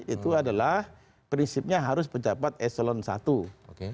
itu adalah prinsipnya harus pejabat eselon i